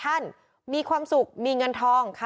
๑๗ล้านกว่าชีวิต